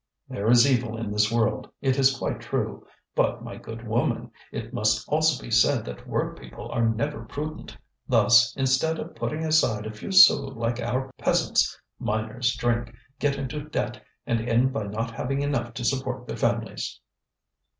"There is evil in this world, it is quite true; but, my good woman, it must also be said that workpeople are never prudent. Thus, instead of putting aside a few sous like our peasants, miners drink, get into debt, and end by not having enough to support their families."